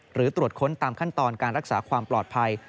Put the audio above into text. หรือตรวจค้นตามขั้นตอนการรักษาความปลอดภัย